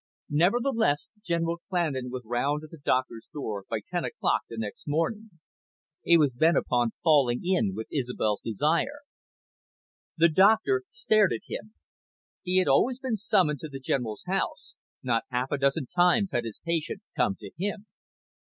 Nevertheless, General Clandon was round at the doctor's door by ten o'clock the next morning. He was bent upon falling in with Isobel's desire. The doctor stared at him. He had always been summoned to the General's house; not half a dozen times had his patient come to him.